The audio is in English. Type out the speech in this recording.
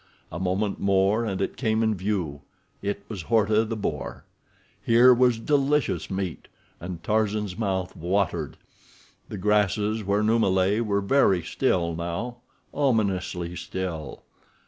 A moment more and it came in view—it was Horta, the boar. Here was delicious meat—and Tarzan's mouth watered. The grasses where Numa lay were very still now—ominously still.